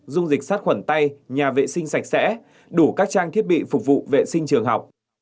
dung dịch sát khuẩn tay nhà vệ sinh sạch sẽ đủ các trang thiết bị phục vụ vệ sinh trường học